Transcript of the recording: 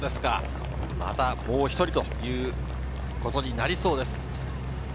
またもう１人ということになりそうです。